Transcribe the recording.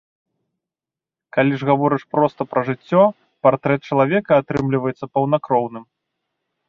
Калі ж гаворыш проста пра жыццё, партрэт чалавека атрымліваецца паўнакроўным.